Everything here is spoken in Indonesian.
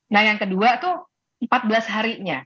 nah yang kedua itu empat belas harinya